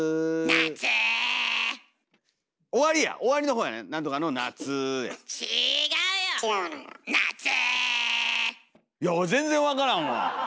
「夏」いや俺全然分からんわ。